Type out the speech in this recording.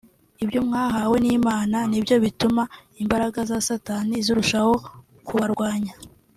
Ibyo mwahawe n’Imana nibyo bituma imbaraga za Satani zirushaho kubarwanya